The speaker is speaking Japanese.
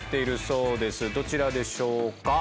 どちらでしょうか。